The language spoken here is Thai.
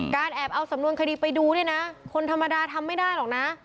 แอบเอาสำนวนคดีไปดูเนี่ยนะคนธรรมดาทำไม่ได้หรอกนะ